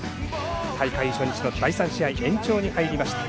大会初日の第３試合延長に入りました。